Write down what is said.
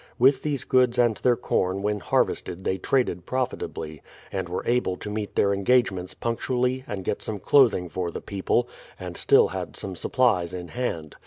With these goods and their corn when harvested they traded profitably, and were able to meet their engagements punctually and get some clothing for the people, and still had some supplies in hand.